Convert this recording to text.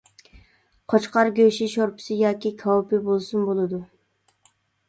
قوچقار گۆشى شورپىسى ياكى كاۋىپى بولسىمۇ بولىدۇ.